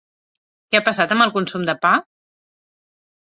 Què ha passat amb el consum de pa?